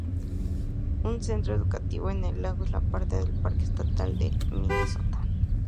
Un centro educativo en el lago es parte del parque estatal de Minnesota.